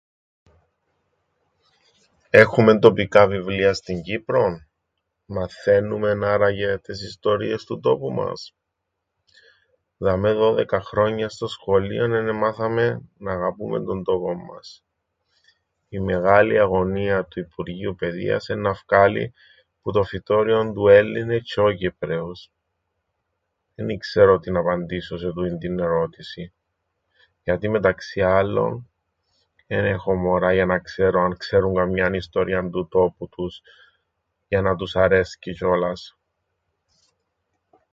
Έχουμεν τοπικά βιβλία στην Κύπρον; Μαθαίννουμεν άραγε τες ιστορίες του τόπου μας; Δαμαί δώδεκα χρόνια στο σχολείον εν εμάθαμεν ν' αγαπούμεν τον τόπον μας. Η μεγάλη αγωνία του Υπουργείου Παιδείας εννά φκάλει που το φυτώριον του Έλληνες τζ̆αι όι Κυπραίους. Εν ι-ξέρω τι ν' απαντήσω σε τού(τ)ην την ερώτησην, γιατί μεταξύ άλλων, εν έχω μωρά για να ξέρω αν ξέρουν καμιάν ιστορίαν του τόπου τους, για να τους αρέσκει τζ̆ιόλας.